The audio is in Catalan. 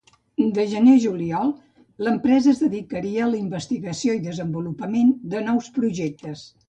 De gener a juliol l'empresa es dedicaria a la investigació i desenvolupament de nous projectes.